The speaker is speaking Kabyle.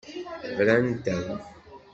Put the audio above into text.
Brant-am.